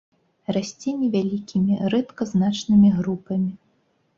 Расце невялікімі, рэдка значнымі групамі.